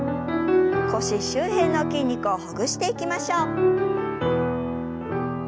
腰周辺の筋肉をほぐしていきましょう。